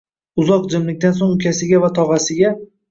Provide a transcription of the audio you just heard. Uzoq jimlikdan so‘ng ukasi va tog‘asiga: